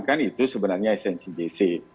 kan itu sebenarnya esensi gc